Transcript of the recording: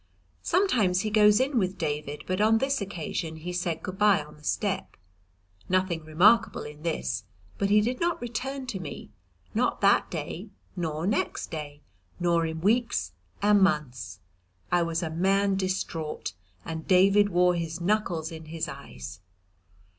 Sometimes he goes in with David, but on this occasion he said good bye on the step. Nothing remarkable in this, but he did not return to me, not that day nor next day nor in weeks and months. I was a man distraught; and David wore his knuckles in his eyes.